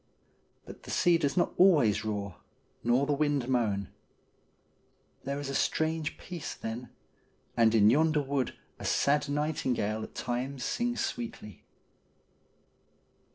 But the sea does not always roar, nor the wind moan. There is a strange peace then, and in yonder wood a sad nightingale at times sings sweetly.